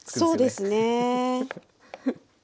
そうですねはい。